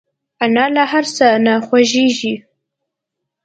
انا له هر څه نه خوښيږي